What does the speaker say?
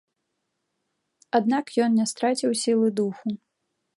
Аднак ён не страціў сілы духу.